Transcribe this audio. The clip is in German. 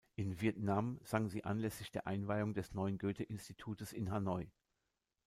In Vietnam sang sie anlässlich der Einweihung des neuen Goethe-Institutes in Hanoi.